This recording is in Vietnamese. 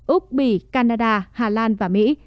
úc bỉ canada hà lan và mỹ